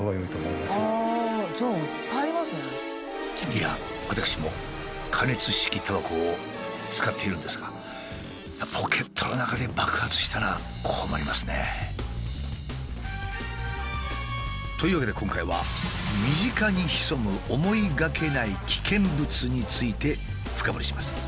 いやあ私も加熱式タバコを使っているんですがポケットの中で爆発したら困りますね。というわけで今回はについて深掘りします。